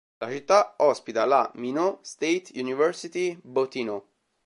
La città ospita la "Minot State University-Bottineau".